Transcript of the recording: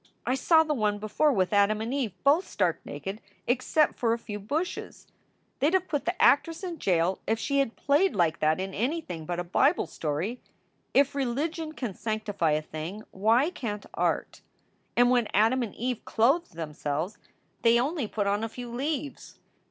I saw the one before with Adam and Eve both stark naked except for a few bushes. They d have put the actress in jail if she had played like that in anything but a Bible story. If religion can sanctify a thing, why can t art? And when Adam and Eve clothed themselves they only put on a few leaves.